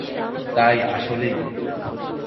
তাই, আসলেই?